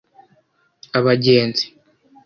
Abagenzi